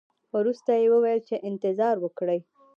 ورسته یې وویل چې انتظار وکړئ.